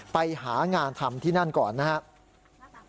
ไปหางานทำที่นั่นก่อนนะครับ